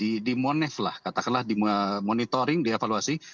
dikaji di monef lah katakanlah di monitoring di evaluasi